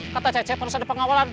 kata c edo harus ada pengawalan